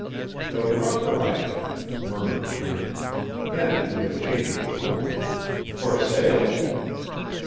"The Rough Rider!" murmured Kent; then, with a change of tone, "For sale?"